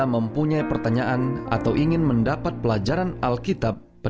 memuji yesus sepanjang hari